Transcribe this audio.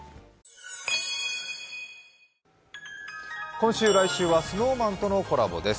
今週、来週はＳｎｏｗＭａｎとのコラボです。